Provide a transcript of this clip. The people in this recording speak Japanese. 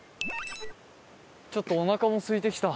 ちょっとおなかもすいてきた。